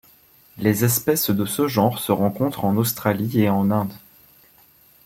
Les espèces de ce genre se rencontrent en Australie et en Inde.